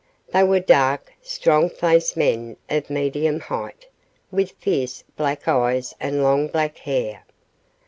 They were dark, strong faced men of medium height, with fierce, black eyes and long black hair.